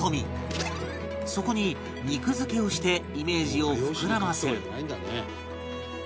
そこに肉付けをしてイメージを膨らませる